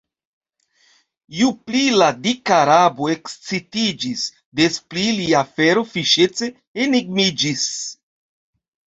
Ju pli la dika Arabo ekscitiĝis, des pli lia afero fiŝece enigmiĝis.